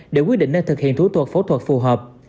để quyết định nên thực hiện thủ tục phẫu thuật phù hợp